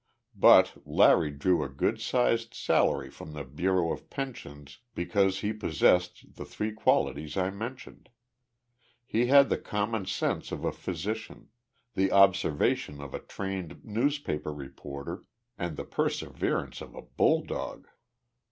But Larry drew a good sized salary from the Bureau of Pensions because he possessed the three qualities I mentioned. He had the common sense of a physician, the observation of a trained newspaper reporter, and the perseverance of a bulldog.